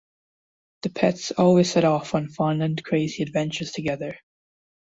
The pets always set off on fun and crazy adventures together.